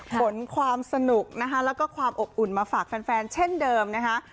ผลความสนุกและความอบอุ่นมาฝากแฟนเช่นเดิมนะคะ